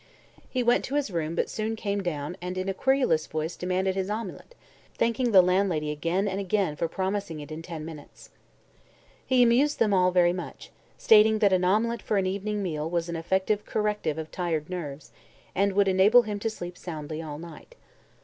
He went to his room but soon came down and in a querulous voice demanded his omelet, thanking the landlady again and again for promising it in ten minutes. He amused them all very much, stating that an omelet for an evening meal was "an effective corrective of tired nerves" and would enable him to sleep soundly all night.